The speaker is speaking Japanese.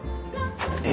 え？